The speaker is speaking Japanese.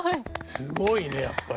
すごいねやっぱり。